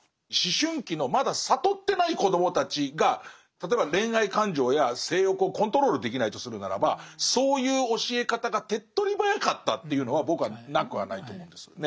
思春期のまだ覚ってない子どもたちが例えば恋愛感情や性欲をコントロールできないとするならばそういう教え方が手っとり早かったというのは僕はなくはないと思うんです。